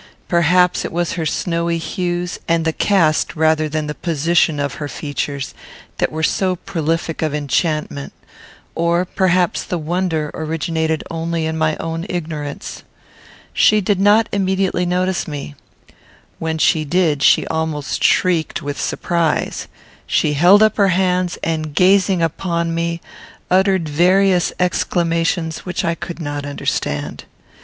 Perhaps it was her snowy hues, and the cast rather than the position of her features, that were so prolific of enchantment; or perhaps the wonder originated only in my own ignorance. She did not immediately notice me. When she did she almost shrieked with surprise. She held up her hands, and, gazing upon me, uttered various exclamations which I could not understand.